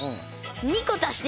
２個足して。